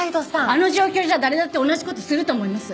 あの状況じゃ誰だって同じ事すると思います。